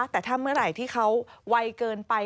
แต่ถ้าเมื่อไหร่ที่เขาไวเกินไป